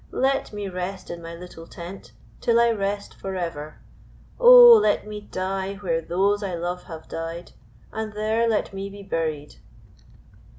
Let me rest in my little tent, till I rest forever. Oh! let me die where those I loved have died, and there let me be buried."